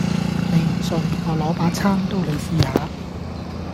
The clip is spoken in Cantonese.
你唔信，我攞把餐刀你試下